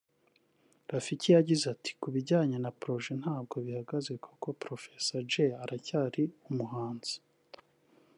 Rafiki yagize ati “ Kubijyanye na project ntabwo bihagaze kuko Professor Jay aracyari umuhanzi